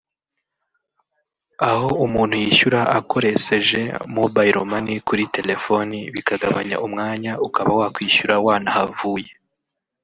aho umuntu yishyura akoresje mobayiromani kuri telefoni bikagabanya umwanya ukaba wakwishyura wanahavuye